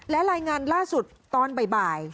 และรายงานล่าสุดตอนบ่าย